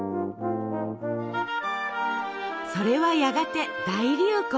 それはやがて大流行。